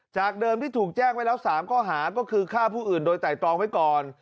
จากเดิมที่ถูกแจ้งไว้แล้ว๓ข้อหาก็คือฆ่าผู้อื่นโดยไตรตรองไว้ก่อน